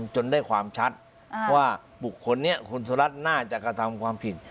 จนได้ความชัดว่าบุคคลนี้คุณสุรัสตร์น่าจะกระทำความผิด